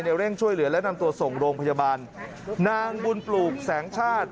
เร่งช่วยเหลือและนำตัวส่งโรงพยาบาลนางบุญปลูกแสงชาติ